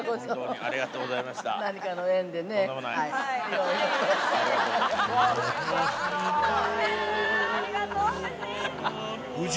ありがとう、夫人。